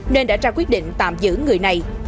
nên đã ra quyết định tạm giữ người này